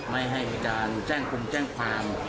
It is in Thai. ไม่ให้วิจารณ์แจ้งคุมแจ้งความ